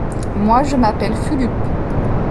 Moi, je m’appelle Fulup.